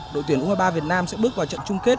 đội tuyển u hai mươi ba việt nam sẽ bước vào trận chung kết